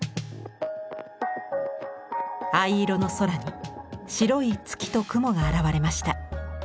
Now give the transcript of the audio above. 藍色の空に白い月と雲が現れました。